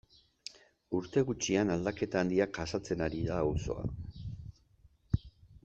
Urte gutxian aldaketa handiak jasaten ari da auzoa.